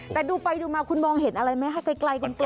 แต่ดูไปดูมาคุณมองเห็นอะไรไหมคะไกล